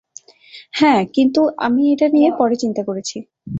হ্যাঁ, কিন্তু আমি এটা নিয়ে পরে চিন্তা করেছি।